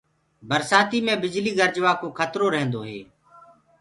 برسآتي مي بجلي گرجوآ ڪو کترو رهيندو هي۔